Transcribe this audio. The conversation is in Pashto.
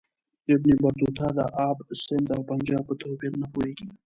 ابن بطوطه د آب سند او پنجاب په توپیر نه پوهیږي.